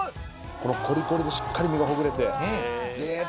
このコリコリでしっかり身がほぐれて。